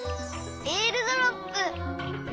えーるドロップ！